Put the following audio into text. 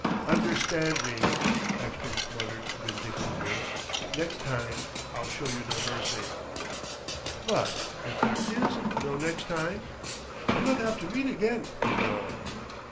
"Understand me," Ekstrom muttered vindictively: "next time I'll show you no mercy " "But if there is no next time? We're not apt to meet again, you know."